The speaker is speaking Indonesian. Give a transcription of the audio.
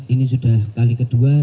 ini sudah kali kedua